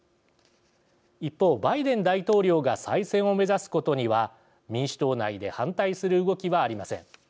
一方、バイデン大統領が再選を目指すことには民主党内で反対する動きはありません。